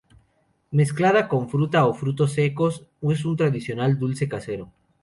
Mezclada con fruta o frutos secos, es un tradicional dulce casero.